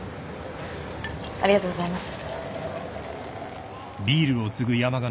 ありがとうございます。